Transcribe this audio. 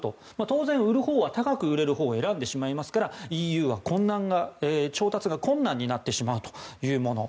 当然、売るほうは高く売れるほうを選んでしまいますからＥＵは調達が困難になってしまうというもの。